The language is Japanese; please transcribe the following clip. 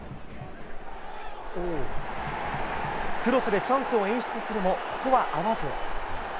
クロスでチャンスを演出するもここは合わず。